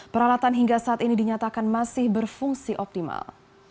peralatan hingga saat ini dinyatakan masih berfungsi optimal